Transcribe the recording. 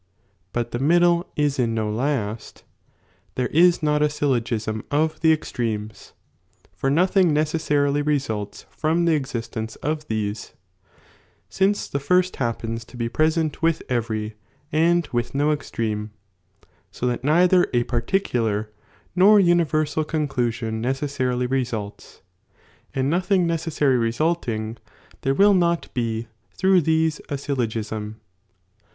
but the middle is in do Itust, there h not a syllogiBia ^^| pxtremes, for nothing necessarily results from the ex ^^H B of these, since the first happens to be present with ^^M , »nd with no extreme ; so that neither a particular nor ^^M 1*0*601 (condusion) necessarily results, anrl nothing fry resulting, there will not be through theae a syllogism.